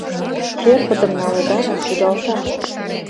Черпытым налыда гын, кудалта.